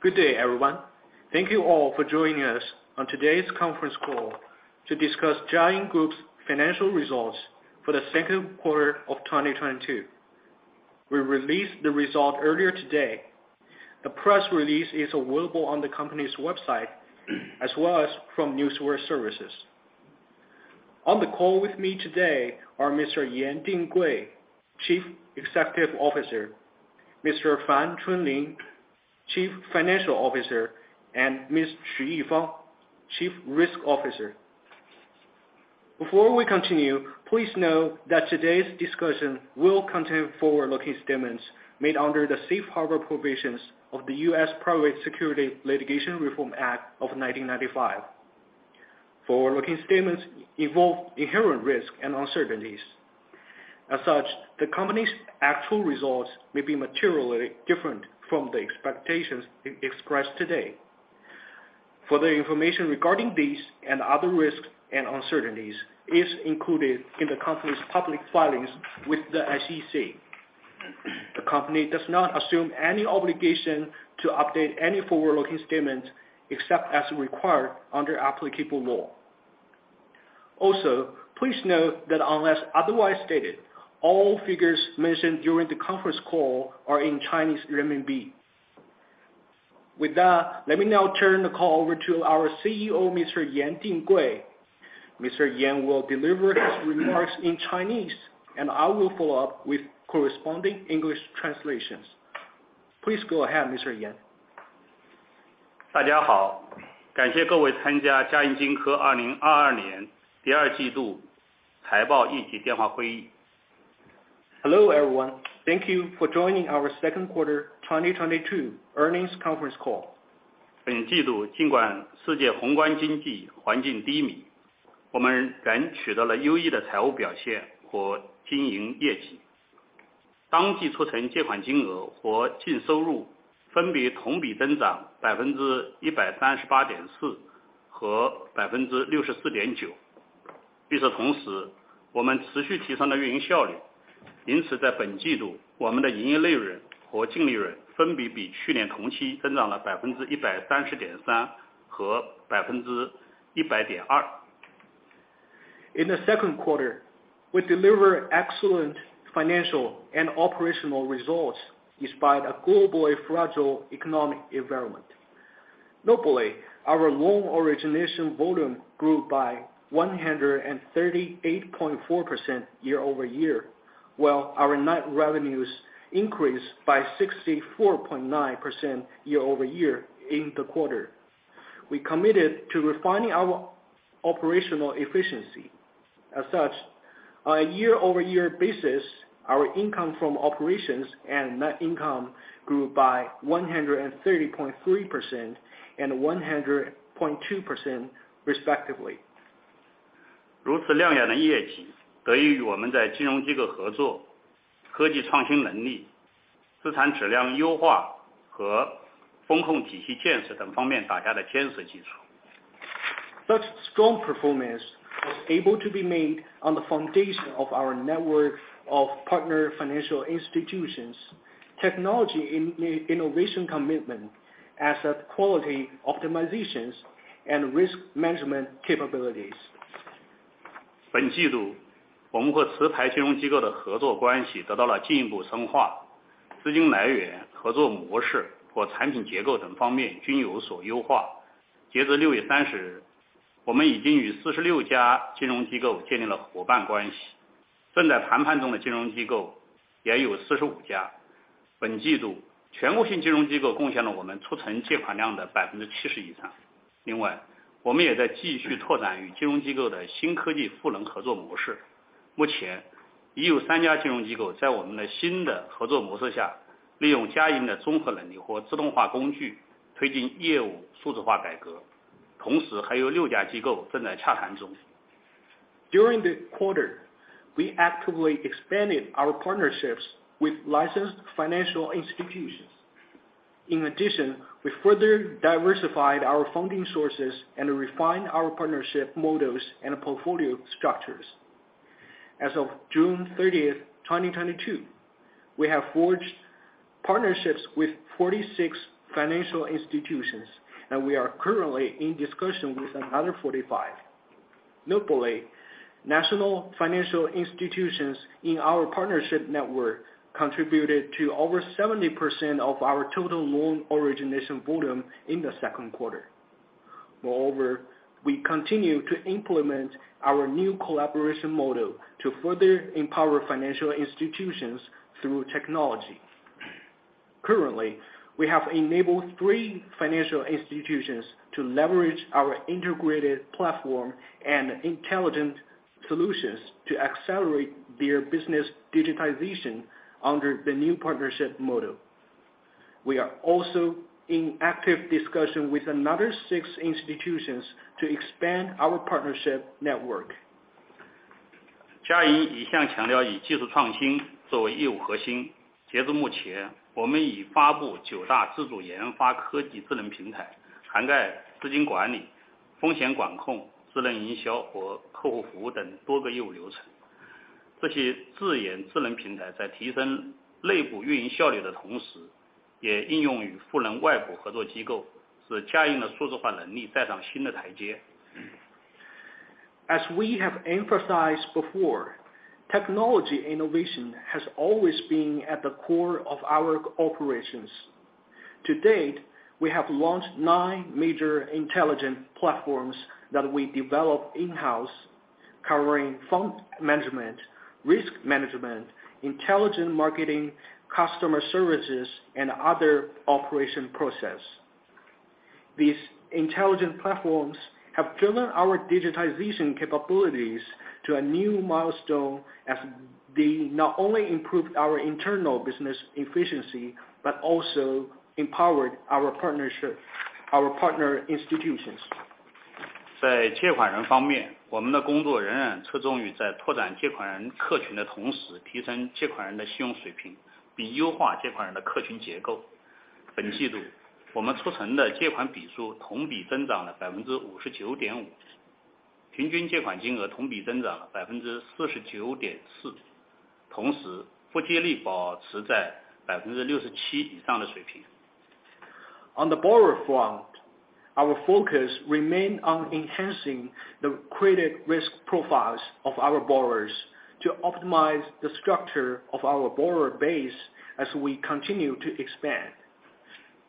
Good day, everyone. Thank you all for joining us on today's conference call to discuss Jiayin Group's financial results for the second quarter of 2022. We released the results earlier today. The press release is available on the company's website, as well as from Newswire Services. On the call with me today are Mr. Yan Dinggui, Chief Executive Officer, Mr. Fan Chunlin, Chief Financial Officer, and Ms. Xu Yifang, Chief Risk Officer. Before we continue, please note that today's discussion will contain forward-looking statements made under the Safe Harbor Provisions of the U.S. Private Securities Litigation Reform Act of 1995. Forward-looking statements involve inherent risks and uncertainties. As such, the company's actual results may be materially different from the expectations expressed today. Further information regarding these and other risks and uncertainties is included in the company's public filings with the SEC. The company does not assume any obligation to update any forward-looking statements except as required under applicable law. Also, please note that unless otherwise stated, all figures mentioned during the conference call are in Chinese renminbi. With that, let me now turn the call over to our CEO, Mr. Yan Dinggui. Mr. Yan will deliver his remarks in Chinese, and I will follow up with corresponding English translations. Please go ahead, Mr. Yan. Hello, everyone. Thank you for joining our second quarter 2022 earnings conference call. In the second quarter, we delivered excellent financial and operational results despite a globally fragile economic environment. Notably, our loan origination volume grew by 138.4% year-over-year, while our net revenues increased by 64.9% year-over-year in the quarter. We committed to refining our operational efficiency. As such, on a year-over-year basis, our income from operations and net income grew by 130.3% and 100.2% respectively. Such strong performance was able to be made on the foundation of our network of partner financial institutions, technology and innovation commitment as well as quality optimizations and risk management capabilities. During the quarter, we actively expanded our partnerships with licensed financial institutions. In addition, we further diversified our funding sources and refined our partnership models and portfolio structures. As of June 30th, 2022, we have forged partnerships with 46 financial institutions, and we are currently in discussion with another 45. Notably, national financial institutions in our partnership network contributed to over 70% of our total loan origination volume in the second quarter. Moreover, we continue to implement our new collaboration model to further empower financial institutions through technology. Currently, we have enabled three financial institutions to leverage our integrated platform and intelligent solutions to accelerate their business digitization under the new partnership model. We are also in active discussion with another six institutions to expand our partnership network. 这些自研智能平台在提升内部运营效率的同时，也应用于赋能外部合作机构，使Jiayin的数字化能力带上新的台阶. As we have emphasized before, technology innovation has always been at the core of our operations. To date, we have launched nine major intelligent platforms that we develop in-house, covering fund management, risk management, intelligent marketing, customer services, and other operation process. These intelligent platforms have driven our digitization capabilities to a new milestone as they not only improved our internal business efficiency, but also empowered our partnership, our partner institutions. On the borrower front, our focus remained on enhancing the credit risk profiles of our borrowers to optimize the structure of our borrower base as we continue to expand.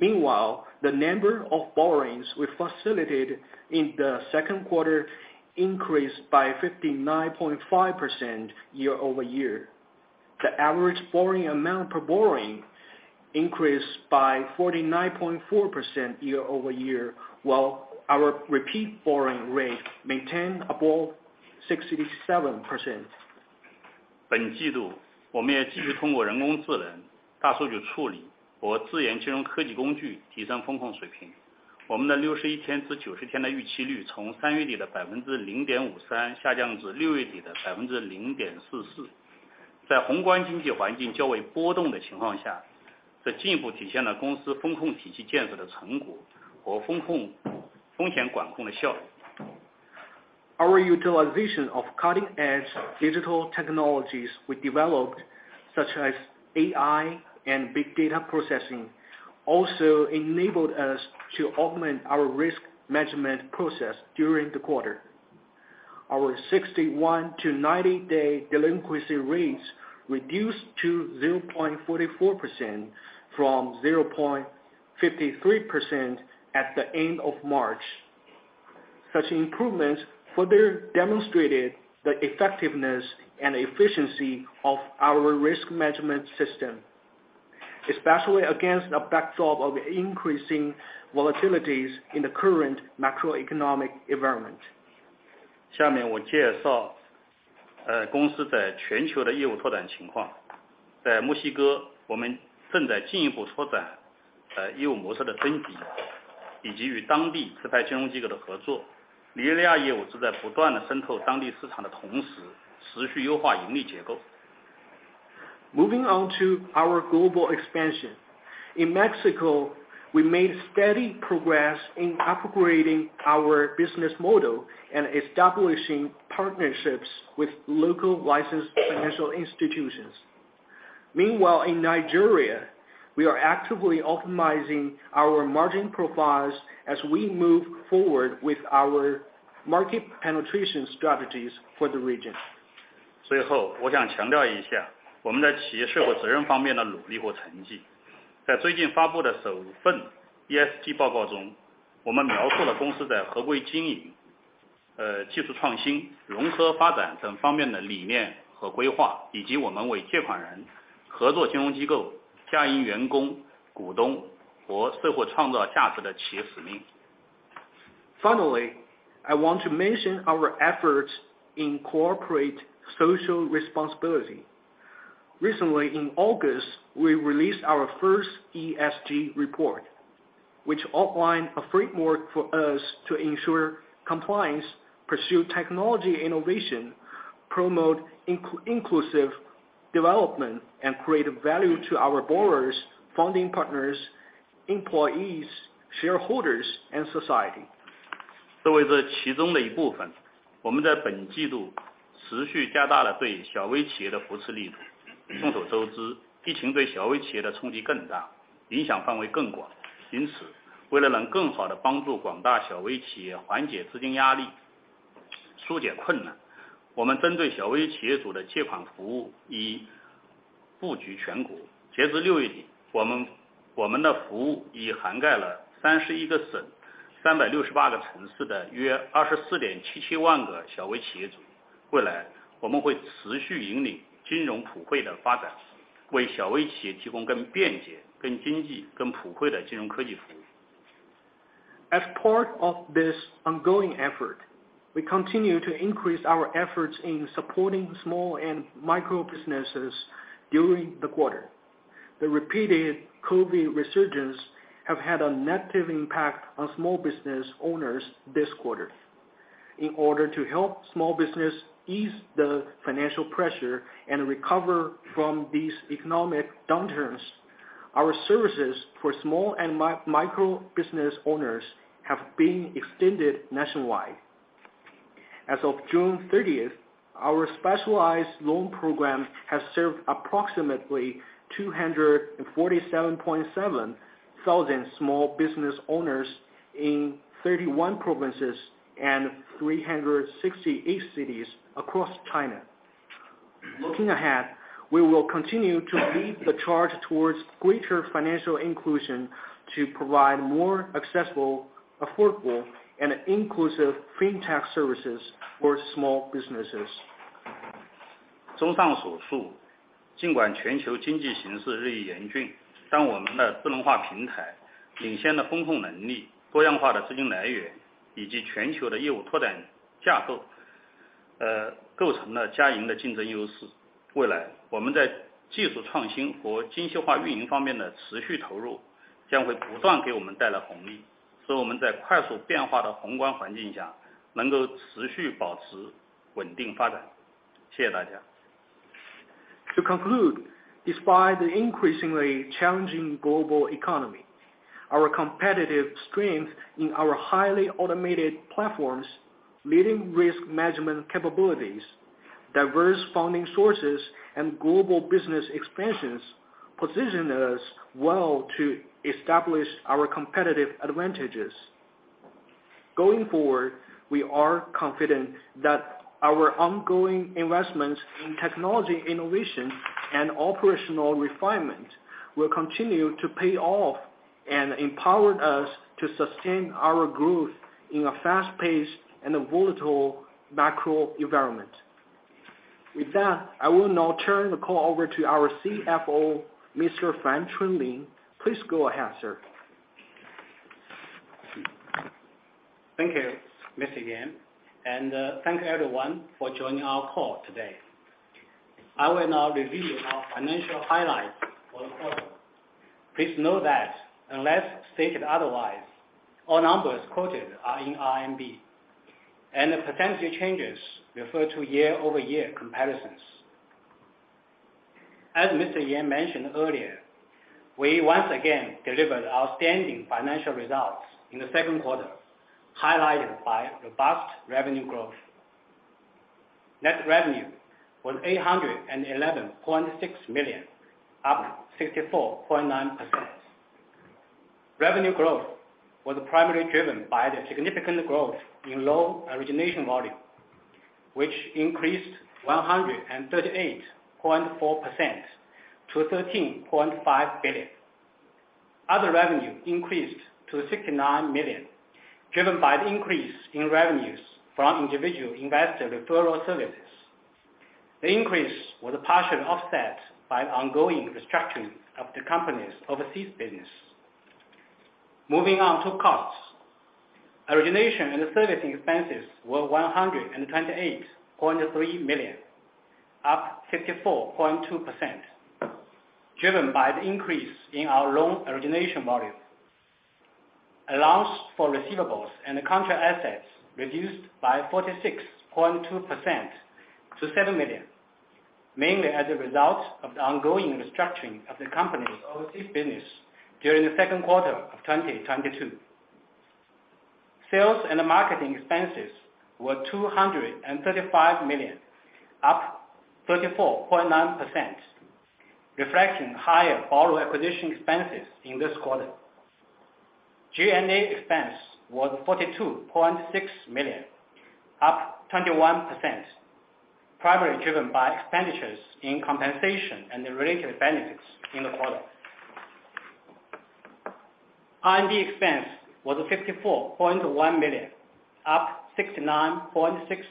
Meanwhile, the number of borrowings we facilitated in the second quarter increased by 59.5% year-over-year. The average borrowing amount per borrowing increased by 49.4% year-over-year, while our repeat borrowing rate maintained above 67%. Our utilization of cutting-edge digital technologies we developed, such as AI and big data processing, also enabled us to augment our risk management process during the quarter. Our 61-90-day delinquency rates reduced to 0.44% from 0.53% at the end of March. Such improvements further demonstrated the effectiveness and efficiency of our risk management system, especially against a backdrop of increasing volatilities in the current macroeconomic environment. Moving on to our global expansion. In Mexico, we made steady progress in upgrading our business model and establishing partnerships with local licensed financial institutions. Meanwhile, in Nigeria, we are actively optimizing our margin profiles as we move forward with our market penetration strategies for the region. Finally, I want to mention our efforts in corporate social responsibility. Recently in August, we released our first ESG report, which outlined a framework for us to ensure compliance, pursue technology innovation, promote inclusive development, and create value to our borrowers, funding partners, employees, shareholders, and society. As part of this ongoing effort, we continue to increase our efforts in supporting small and micro businesses during the quarter. The repeated COVID resurgence have had a negative impact on small business owners this quarter. In order to help small business ease the financial pressure and recover from these economic downturns, our services for small and micro business owners have been extended nationwide. As of June 30th, our specialized loan program has served approximately 247,700 small business owners in 31 provinces and 368 cities across China. Looking ahead, we will continue to lead the charge towards greater financial inclusion to provide more accessible, affordable, and inclusive fintech services for small businesses. To conclude, despite the increasingly challenging global economy, our competitive strength in our highly automated platforms, leading risk management capabilities, diverse funding sources, and global business expansions position us well to establish our competitive advantages. Going forward, we are confident that our ongoing investments in technology, innovation, and operational refinement will continue to pay off and empower us to sustain our growth in a fast-paced and volatile macro environment. With that, I will now turn the call over to our CFO, Mr. Chunlin Fan. Please go ahead, sir. Thank you, Mr. Yan, and thank you, everyone, for joining our call today. I will now review our financial highlights for the quarter. Please note that unless stated otherwise, all numbers quoted are in RMB, and the percentage changes refer to year-over-year comparisons. As Mr. Yan mentioned earlier, we once again delivered outstanding financial results in the second quarter, highlighted by robust revenue growth. Net revenue was 811.6 million, up 64.9%. Revenue growth was primarily driven by the significant growth in loan origination volume, which increased 138.4% to 13.5 billion. Other revenue increased to 69 million, driven by the increase in revenues from individual investor referral services. The increase was partially offset by ongoing restructuring of the company's overseas business. Moving on to costs. Origination and servicing expenses were 128.3 million, up 64.2%, driven by the increase in our loan origination volume. Allowance for receivables and contract assets reduced by 46.2% to 7 million, mainly as a result of the ongoing restructuring of the company's overseas business during the second quarter of 2022. Sales and marketing expenses were 235 million, up 34.9%, reflecting higher borrower acquisition expenses in this quarter. G&A expense was 42.6 million, up 21%, primarily driven by expenditures in compensation and the related benefits in the quarter. R&D expense was 54.1 million, up 69.6%.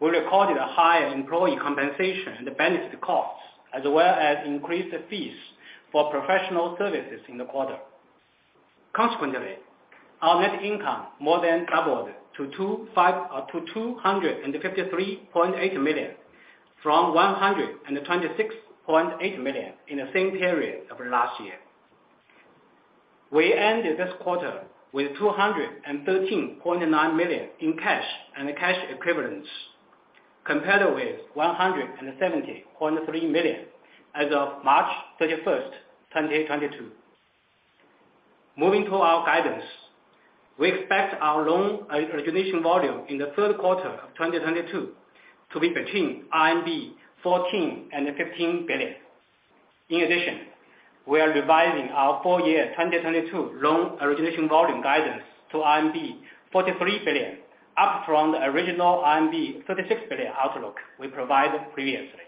We recorded a higher employee compensation and benefit costs, as well as increased fees for professional services in the quarter. Consequently, our net income more than doubled t oRMB 253.8 million from 126.8 million in the same period of last year. We ended this quarter with 213.9 million in cash and cash equivalents, compared with 170.3 million as of March 31st, 2022. Moving to our guidance. We expect our loan origination volume in the third quarter of 2022 to be between RMB 14 billion and 15 billion. In addition, we are revising our full year 2022 loan origination volume guidance to 43 billion, up from the original 36 billion outlook we provided previously.